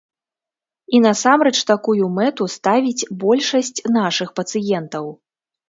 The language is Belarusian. І насамрэч такую мэту ставіць большасць нашых пацыентаў.